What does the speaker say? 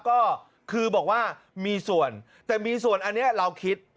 ก็คือบอกว่ามีส่วนแต่มีส่วนอันนี้เราคิด